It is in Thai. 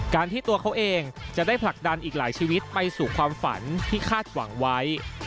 ที่ตัวเขาเองจะได้ผลักดันอีกหลายชีวิตไปสู่ความฝันที่คาดหวังไว้